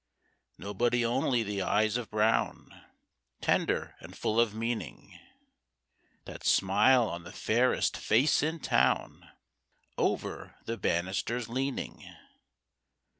Nobody only the eyes of brown, Tender and full of meaning, That smile on the fairest face in town, Over the banisters leaning.